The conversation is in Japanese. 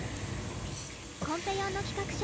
コンペ用の企画書